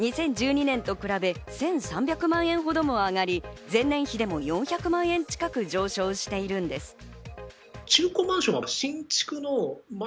２０１２年と比べ１３００万円ほども上がり、前年比でも４００万円近く上昇しているんです。